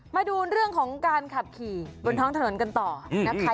มาดูเรื่องของการขับขี่บนท้องถนนกันต่อนะคะ